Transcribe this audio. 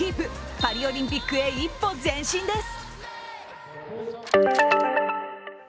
パリオリンピックへ一歩前進です。